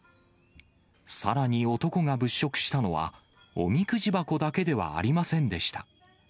さらに男が物色したのは、おみくじ箱だけではありませんでした。